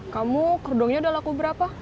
kamu kerdongnya udah laku berapa